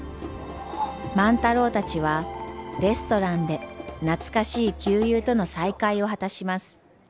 万太郎たちはレストランで懐かしい旧友との再会を果たします。